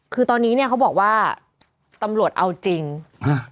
คือตอนนี้เนี้ยเขาบอกว่าตำรวจเอาจริงฮะ